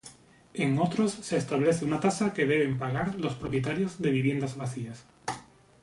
En otros se establece una tasa que deben pagar los propietarios de viviendas vacías.